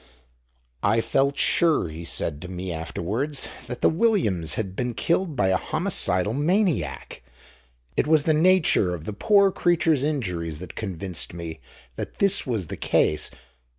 "I felt sure," he said to me afterwards, "that the Williams's had been killed by a homicidal maniac. It was the nature of the poor creatures' injuries that convinced me that this was the case.